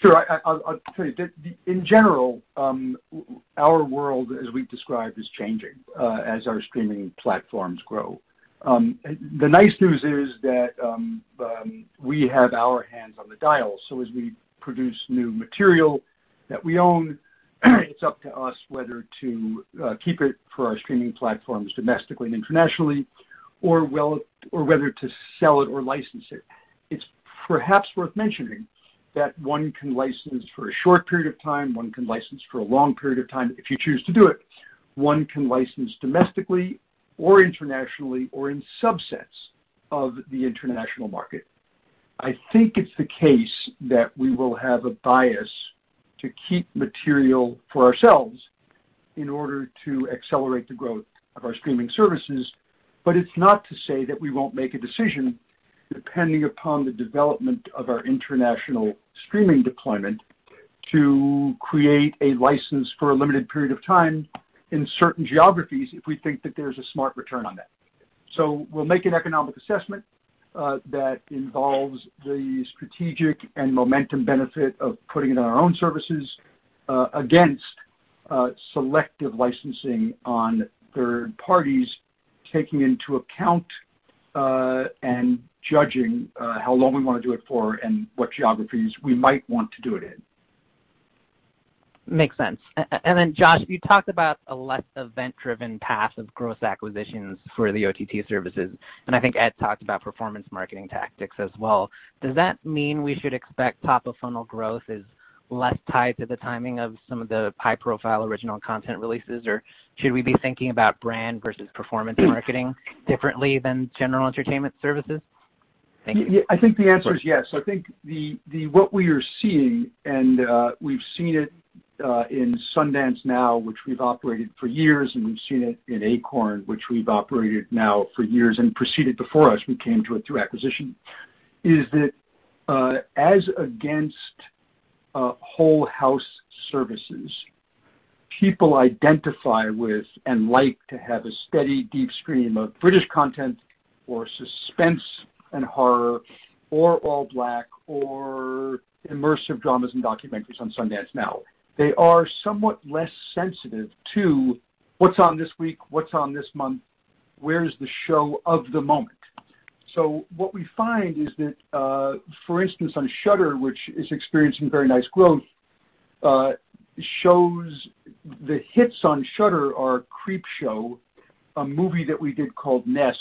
Sure. I'll tell you. In general, our world, as we've described, is changing as our streaming platforms grow. The nice news is that we have our hands on the dial, so as we produce new material that we own, it's up to us whether to keep it for our streaming platforms domestically and internationally, or whether to sell it or license it. It's perhaps worth mentioning that one can license for a short period of time, one can license for a long period of time. If you choose to do it, one can license domestically or internationally or in subsets of the international market. I think it's the case that we will have a bias to keep material for ourselves in order to accelerate the growth of our streaming services. It's not to say that we won't make a decision, depending upon the development of our international streaming deployment, to create a license for a limited period of time in certain geographies if we think that there's a smart return on that. We'll make an economic assessment that involves the strategic and momentum benefit of putting it on our own services against selective licensing on third parties, taking into account and judging how long we want to do it for and what geographies we might want to do it in. Makes sense. Josh, you talked about a less event-driven path of growth acquisitions for the OTT services, and I think Ed talked about performance marketing tactics as well. Does that mean we should expect top-of-funnel growth as less tied to the timing of some of the high-profile original content releases, or should we be thinking about brand versus performance marketing differently than general entertainment services? Thank you. I think the answer is yes. I think what we are seeing, and we've seen it in Sundance Now, which we've operated for years, and we've seen it in Acorn, which we've operated now for years, and proceeded before us, we came to it through acquisition, is that as against whole house services, people identify with and like to have a steady deep stream of British content or suspense and horror or ALLBLK or immersive dramas and documentaries on Sundance Now. They are somewhat less sensitive to what's on this week, what's on this month, where is the show of the moment. What we find is that, for instance, on Shudder, which is experiencing very nice growth, the hits on Shudder are Creepshow, a movie that we did called Host,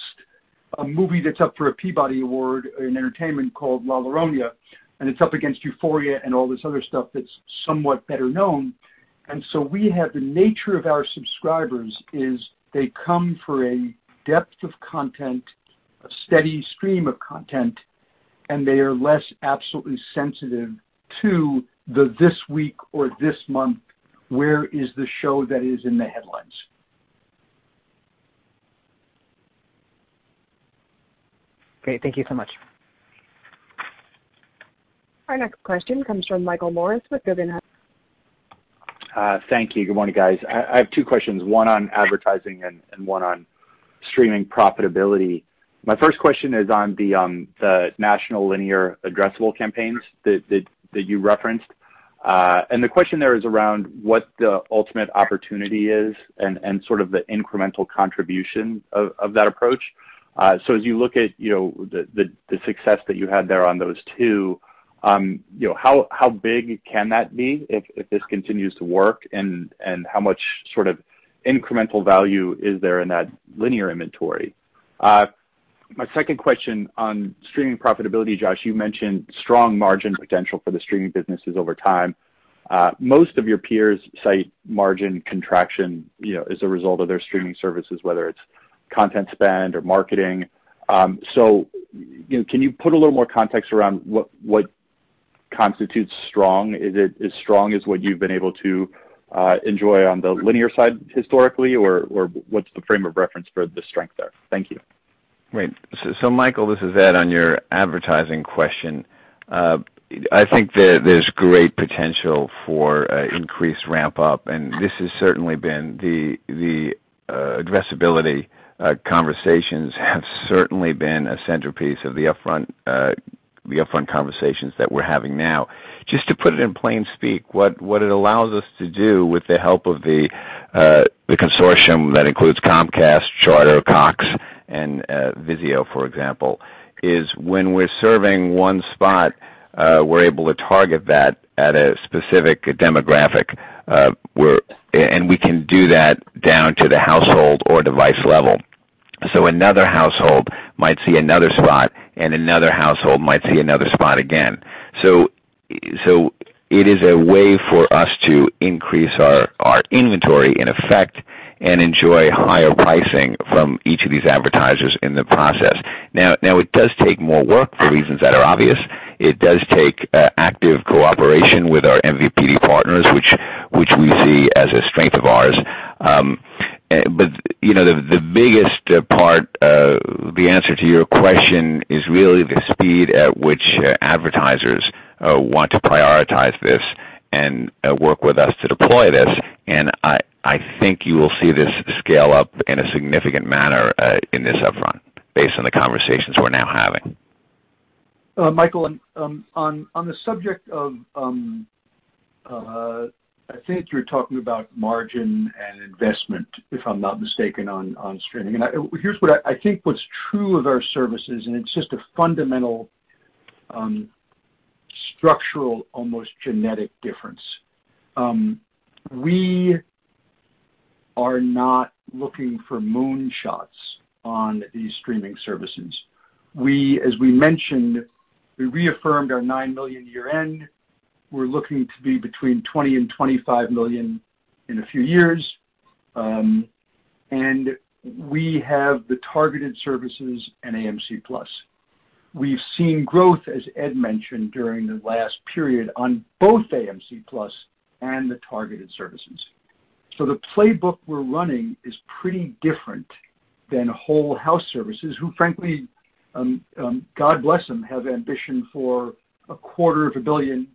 a movie that's up for a Peabody Award in entertainment called La Llorona, and it's up against Euphoria and all this other stuff that's somewhat better known. We have the nature of our subscribers is they come for a depth of content, a steady stream of content, and they are less absolutely sensitive to the this week or this month, where is the show that is in the headlines. Okay. Thank you so much. Our next question comes from Michael Morris with Guggenheim. Thank you. Good morning, guys. I have two questions, one on advertising and one on streaming profitability. My first question is on the national linear addressable campaigns that you referenced. The question there is around what the ultimate opportunity is and sort of the incremental contribution of that approach. As you look at the success that you had there on those two, how big can that be if this continues to work, and how much sort of incremental value is there in that linear inventory? My second question on streaming profitability, Josh, you mentioned strong margin potential for the streaming businesses over time. Most of your peers cite margin contraction as a result of their streaming services, whether it's content spend or marketing. Can you put a little more context around what constitutes strong? Is it as strong as what you've been able to enjoy on the linear side historically, or what's the frame of reference for the strength there? Thank you. Right. Michael, this is Ed on your advertising question. I think there's great potential for increased ramp-up, and this has certainly been the addressability conversations have certainly been a centerpiece of the upfront conversations that we're having now. Just to put it in plain speak, what it allows us to do with the help of the consortium that includes Comcast, Charter, Cox, and Vizio, for example, is when we're serving one spot, we're able to target that at a specific demographic. We can do that down to the household or device level. Another household might see another spot and another household might see another spot again. It is a way for us to increase our inventory in effect and enjoy higher pricing from each of these advertisers in the process. Now it does take more work for reasons that are obvious. It does take active cooperation with our MVPD partners, which we see as a strength of ours. The biggest part of the answer to your question is really the speed at which advertisers want to prioritize this and work with us to deploy this. I think you will see this scale up in a significant manner in this upfront based on the conversations we're now having. Michael, on the subject of, I think you're talking about margin and investment, if I'm not mistaken, on streaming. Here's what I think what's true of our services, it's just a fundamental, structural, almost genetic difference. We are not looking for moonshots on these streaming services. As we mentioned, we reaffirmed our nine million year-end. We're looking to be between 20 million and 25 million in a few years. We have the targeted services and AMC+. We've seen growth, as Ed mentioned, during the last period on both AMC+ and the targeted services. The playbook we're running is pretty different than whole house services, who frankly, God bless them, have ambition for a quarter of a billion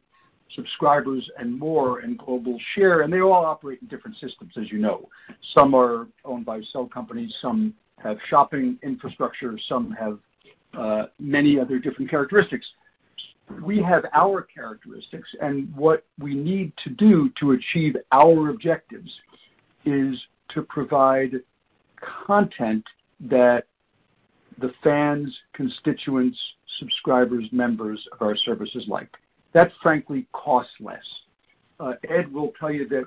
subscribers and more in global share, they all operate in different systems, as you know. Some are owned by cell companies, some have shopping infrastructure, some have many other different characteristics. We have our characteristics, and what we need to do to achieve our objectives is to provide content that the fans, constituents, subscribers, members of our services like. That frankly costs less. Ed will tell you that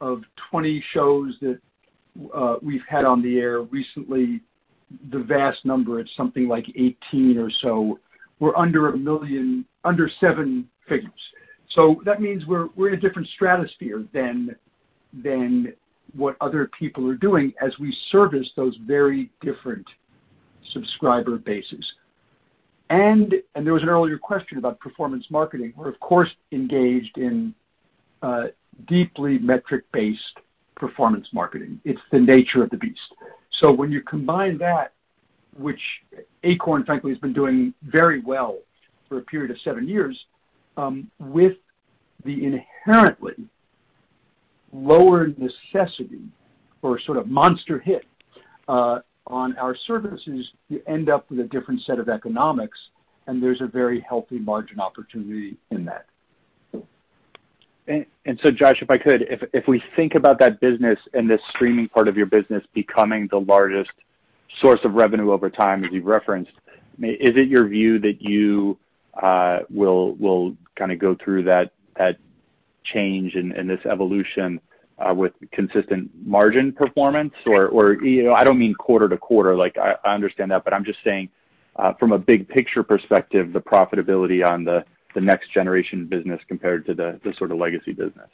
of 20 shows that we've had on the air recently, the vast number, it's something like 18 or so, were under a million, under seven figures. That means we're in a different stratosphere than what other people are doing as we service those very different subscriber bases. There was an earlier question about performance marketing. We're of course, engaged in deeply metric-based performance marketing. It's the nature of the beast. When you combine that, which Acorn frankly has been doing very well for a period of seven years, with the inherently lower necessity for sort of monster hit on our services, you end up with a different set of economics, and there's a very healthy margin opportunity in that. Josh, if I could, if we think about that business and the streaming part of your business becoming the largest source of revenue over time, as you've referenced, is it your view that you will kind of go through that change and this evolution with consistent margin performance? I don't mean quarter to quarter, like I understand that, but I'm just saying from a big picture perspective, the profitability on the next generation business compared to the sort of legacy business.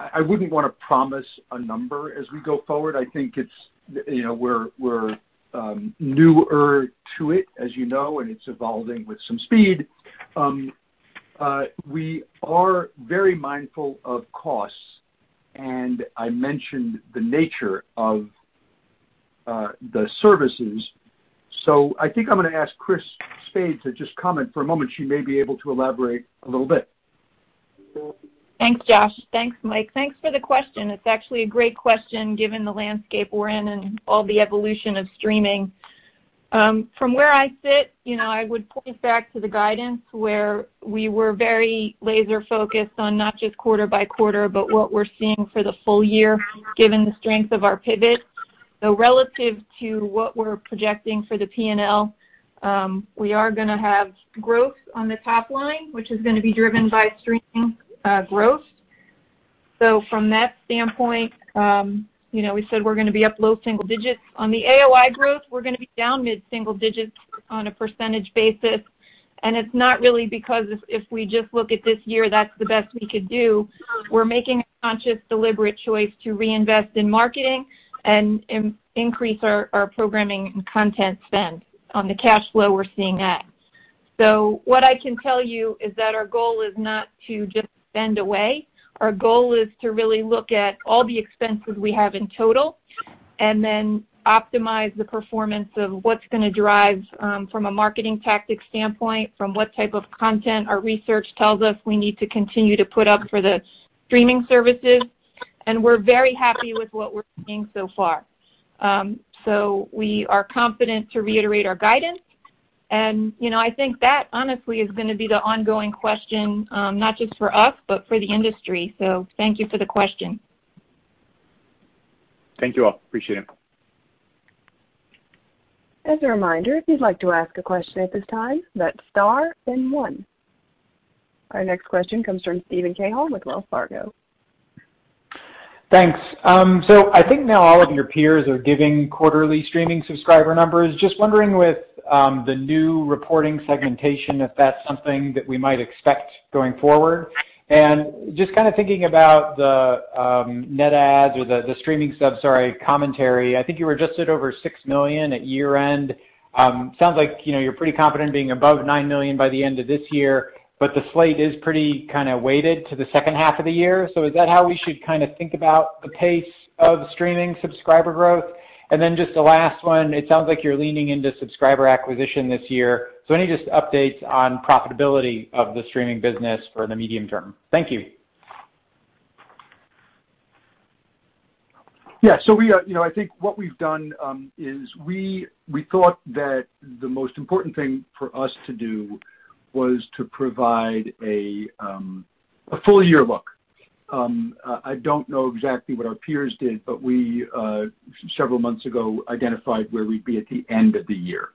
I wouldn't want to promise a number as we go forward. I think we're newer to it, as you know, and it's evolving with some speed. We are very mindful of costs, and I mentioned the nature of the services. I think I'm going to ask Chris Spade to just comment for a moment. She may be able to elaborate a little bit. Thanks, Josh. Thanks, Mike. Thanks for the question. It's actually a great question given the landscape we're in and all the evolution of streaming. From where I sit, I would point back to the guidance where we were very laser-focused on not just quarter by quarter, but what we're seeing for the full year, given the strength of our pivot. Relative to what we're projecting for the P&L, we are going to have growth on the top line, which is going to be driven by streaming growth. From that standpoint, we said we're going to be up low single digits. On the AOI growth, we're going to be down mid-single digits on a percentage basis, and it's not really because if we just look at this year, that's the best we could do. We're making a conscious, deliberate choice to reinvest in marketing and increase our programming and content spend on the cash flow we're seeing now. What I can tell you is that our goal is not to just spend away. Our goal is to really look at all the expenses we have in total, and then optimize the performance of what's going to drive from a marketing tactic standpoint, from what type of content our research tells us we need to continue to put up for the streaming services, and we're very happy with what we're seeing so far. We are confident to reiterate our guidance, and I think that honestly is going to be the ongoing question, not just for us, but for the industry. Thank you for the question. Thank you all. Appreciate it. Our next question comes from Steven Cahall with Wells Fargo. Thanks. I think now all of your peers are giving quarterly streaming subscriber numbers. Just wondering with the new reporting segmentation if that's something that we might expect going forward? Just kind of thinking about the net ads or the streaming subs, sorry, commentary. I think you were just at over six million at year-end. Sounds like you're pretty confident being above nine million by the end of this year, but the slate is pretty kind of weighted to the second half of the year. Is that how we should kind of think about the pace of streaming subscriber growth? Just the last one, it sounds like you're leaning into subscriber acquisition this year. Any just updates on profitability of the streaming business for the medium term? Thank you. Yeah. I think what we've done is we thought that the most important thing for us to do was to provide a full year look. I don't know exactly what our peers did, but we, several months ago, identified where we'd be at the end of the year.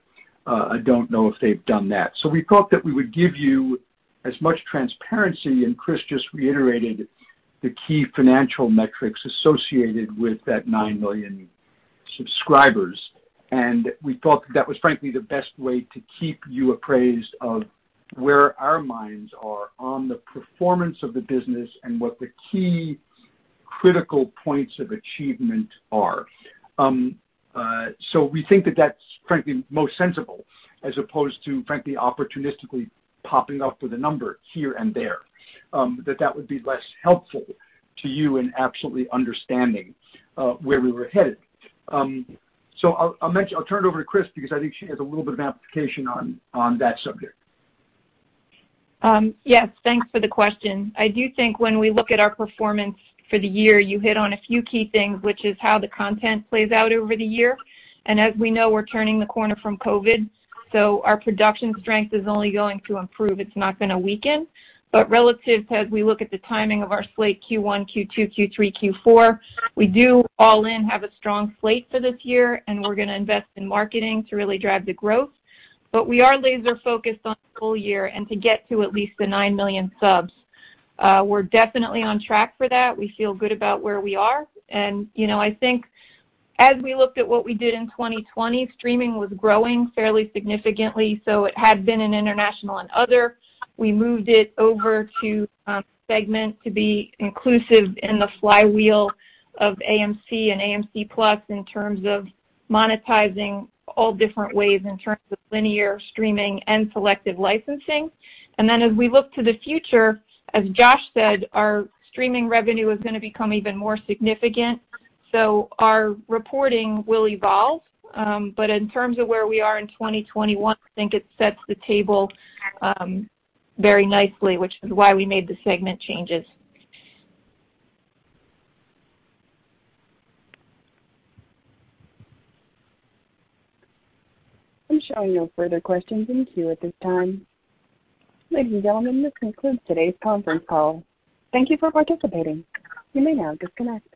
I don't know if they've done that. We thought that we would give you as much transparency, and Christina Spade just reiterated the key financial metrics associated with that nine million subscribers. We thought that was frankly the best way to keep you appraised of where our minds are on the performance of the business and what the key critical points of achievement are. We think that that's frankly most sensible as opposed to, frankly, opportunistically popping up with a number here and there. That would be less helpful to you in absolutely understanding where we were headed. I'll turn it over to Chris because I think she has a little bit of amplification on that subject. Yes. Thanks for the question. I do think when we look at our performance for the year, you hit on a few key things, which is how the content plays out over the year. As we know, we're turning the corner from COVID, our production strength is only going to improve. It's not going to weaken. Relative, as we look at the timing of our slate, Q1, Q2, Q3, Q4, we do all in have a strong slate for this year, we're going to invest in marketing to really drive the growth. We are laser-focused on the full year and to get to at least the nine million subs. We're definitely on track for that. We feel good about where we are, and I think as we looked at what we did in 2020, streaming was growing fairly significantly, so it had been in International and Other. We moved it over to segment to be inclusive in the flywheel of AMC and AMC+ in terms of monetizing all different ways in terms of linear streaming and selective licensing. As we look to the future, as Josh said, our streaming revenue is going to become even more significant. Our reporting will evolve. In terms of where we are in 2021, I think it sets the table very nicely, which is why we made the segment changes. I'm showing no further questions in queue at this time. Ladies and gentlemen, this concludes today's conference call. Thank you for participating. You may now disconnect.